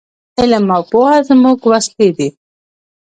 علم او پوهه زموږ وسلې دي.